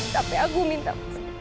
tapi aku minta mas